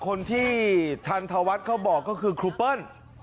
คนที่ทันทวัฒน์เขาบอกก็คือครูเปิ้ล